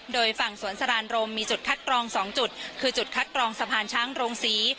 โดยฝั่งสวนสรานรมมีจุดคัดกรอง๒จุดคือจุดคัดกรองสะพานช้างโรงศรี